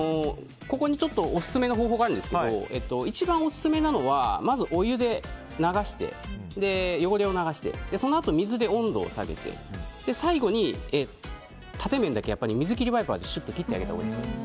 ここにオススメの方法があるんですが一番オススメなのはまずお湯で汚れを流してそのあと水で温度を下げて最後に縦面だけ水切りワイパーで切ってあげたほうがいいです。